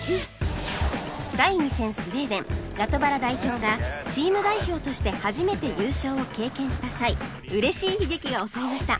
第２戦スウェーデンラトバラ代表がチーム代表として初めて優勝を経験した際嬉しい悲劇が襲いました。